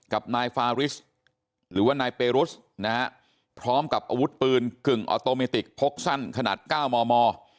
กับนายฟาริสหรือว่านายเปรุสนะฮะพร้อมกับอาวุธปืนกึ่งออโตเมติกพกสั้นขนาด๙มม